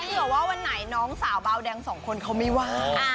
เผื่อว่าวันไหนน้องสาวเบาแดงสองคนเขาไม่ว่าง